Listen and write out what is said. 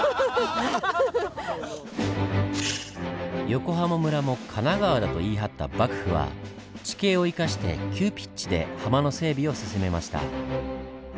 横浜村も神奈川だと言い張った幕府は地形を生かして急ピッチでハマの整備を進めました。